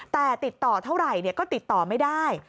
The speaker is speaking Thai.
แต่ติดต่อเท่าไหร่ก็ติดต่อไม่ได้